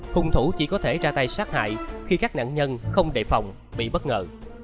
hùng thủ chỉ có thể ra tay sát hại khi các nạn nhân không đề phòng bị bất ngờ